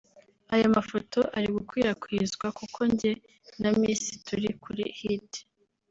Ayo mafoto ari gukwirakwizwa kuko njye na Miss turi kuri hit